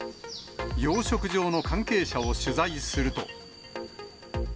養殖場の関係者を取材すると。